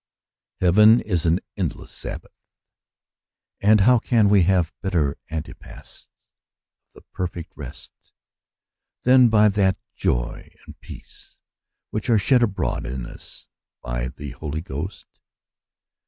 Heaven is an endless Sabbath; and how can we have better antepasts of the perfect rest than by that joy and peace which are shed abroad in us by the Holy Ghost